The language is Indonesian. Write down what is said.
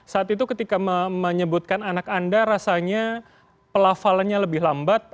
saat itu ketika menyebutkan anak anda rasanya pelafalannya lebih lambat